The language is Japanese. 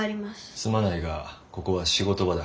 すまないがここは仕事場だ。